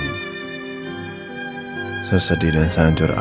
mama sudah senang